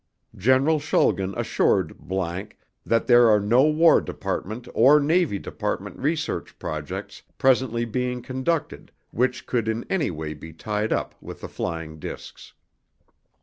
General Schulgen assured ____ that there are no War Department or Navy Department research projects presently being conducted which could in any way be tied up with the flying disks.